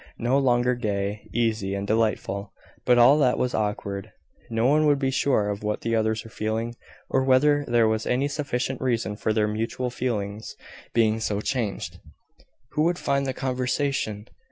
no longer gay, easy, and delightful, but all that was awkward. No one would be sure of what the others were feeling; or whether there was any sufficient reason for their mutual feelings being so changed. Who would find the conversation?